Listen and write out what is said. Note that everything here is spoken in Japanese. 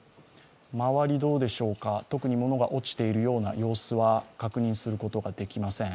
周り、特に物が落ちているような様子は確認することができません。